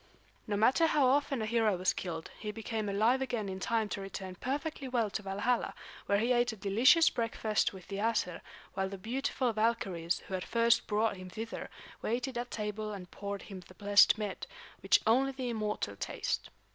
No matter how often a hero was killed, he became alive again in time to return perfectly well to Valhalla, where he ate a delicious breakfast with the Æsir; while the beautiful Valkyries who had first brought him thither waited at table and poured the blessed mead, which only the immortal taste.